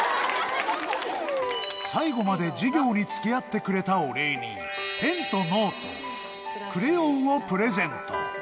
最後まで授業につきあってくれたお礼に、ペンとノート、クレヨンをプレゼント。